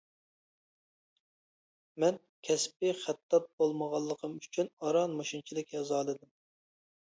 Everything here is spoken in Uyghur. مەن كەسپىي خەتتات بولمىغانلىقىم ئۈچۈن ئاران مۇشۇنچىلىك يازالىدىم.